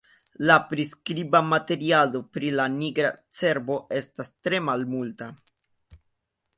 La priskriba materialo pri la nigra cervo estas tre malmulta.